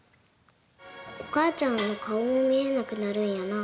お母ちゃんの顔も見えなくなるんやな。